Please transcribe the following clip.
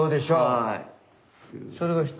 はい。